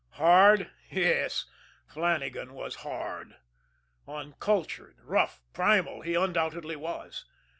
Hard? Yes, Flannagan was hard. Un cultured, rough, primal, he undoubtedly was.